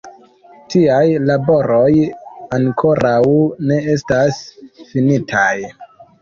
Tiaj laboroj ankoraŭ ne estas finitaj.